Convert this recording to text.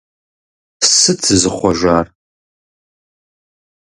Сыт зызыхъуэжар?